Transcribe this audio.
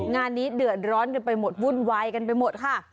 งานนี้เดือดร้อนกันไปหมดวุ่นวายกันไปหมดค่ะ